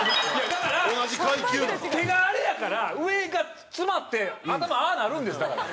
だから手があれやから上が詰まって頭ああなるんですだから。